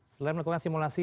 selain melakukan simulasi